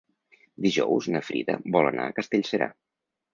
Dijous na Frida vol anar a Castellserà.